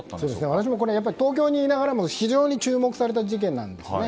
私も、東京にいながらも非常に注目された事件なんですね。